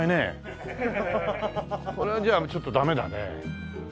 これじゃあちょっとダメだね。